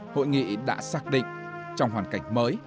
hội nghị đã xác định trong hoàn cảnh mới